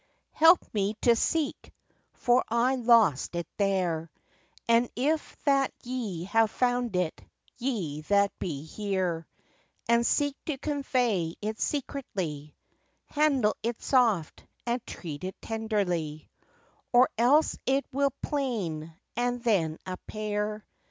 Help me to seek! For I lost it there; And, if that ye have found it, ye that be here, And seek to convey it secretly, Handle it soft and treat it tenderly, Or else it will 'plain, and then appair.